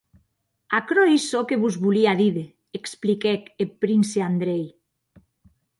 Aquerò ei çò que vos volia díder, expliquèc eth prince Andrei.